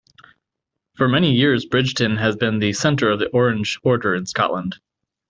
For many years Bridgeton has been the centre of the Orange Order in Scotland.